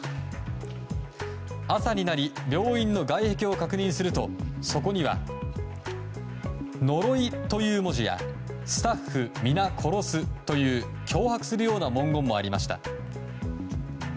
朝になり病院の外壁を確認するとそこには「呪」という文字や「スタッフ皆コロス」という脅迫するような文言もありました。